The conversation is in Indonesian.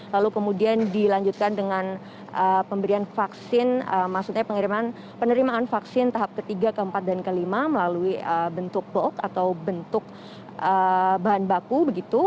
lalu kemudian dilanjutkan dengan penerimaan vaksin tahap ketiga keempat dan kelima melalui bentuk bulk atau bentuk bahan baku